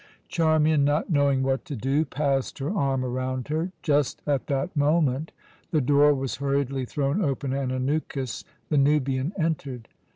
Charmian, not knowing what to do, passed her arm around her. Just at that moment the door was hurriedly thrown open, and Anukis, the Nubian, entered.